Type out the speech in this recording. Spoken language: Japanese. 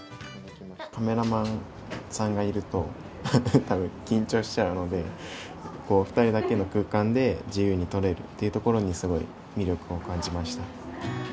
カメラマンさんがいると、たぶん緊張しちゃうので、２人だけの空間で、自由に撮れるというところにすごい魅力を感じました。